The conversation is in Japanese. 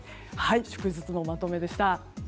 祝日のまとめでした。